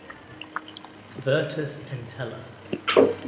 Virtus Entella